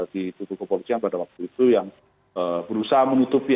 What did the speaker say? di tubuh kepolisian pada waktu itu yang berusaha menutupi